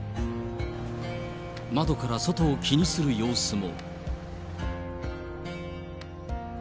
窓から外を気にする様子も。